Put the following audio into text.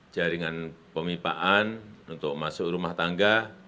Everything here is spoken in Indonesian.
jaringan pemipaan untuk masuk rumah tangga